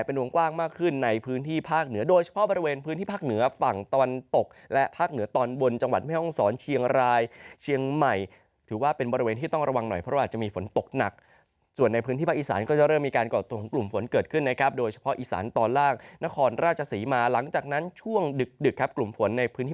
ภาคเหนือฝั่งตะวันตกและภาคเหนือตอนบนจังหวัดแม่ห้องศรเชียงรายเชียงใหม่ถือว่าเป็นบริเวณที่ต้องระวังหน่อยเพราะว่าจะมีฝนตกหนักส่วนในพื้นที่ภาคอีสานก็จะเริ่มมีการกลุ่มฝนเกิดขึ้นนะครับโดยเฉพาะอีสานตอนล่างนครราชสีมาหลังจากนั้นช่วงดึกครับกลุ่มฝนในพื้นที่